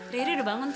riri udah bangun tuh